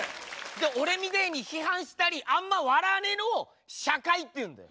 俺みてえに批判したりあんま笑わねえのを社会っていうんだよ。